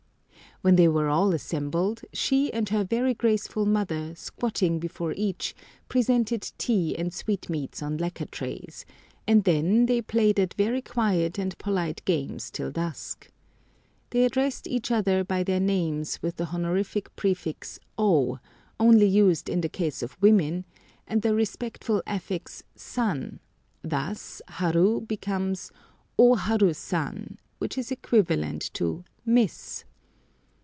When they were all assembled, she and her very graceful mother, squatting before each, presented tea and sweetmeats on lacquer trays, and then they played at very quiet and polite games till dusk. They addressed each other by their names with the honorific prefix O, only used in the case of women, and the respectful affix San; thus Haru becomes O Haru San, which is equivalent to "Miss."